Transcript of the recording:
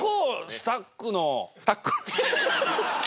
「スタック」？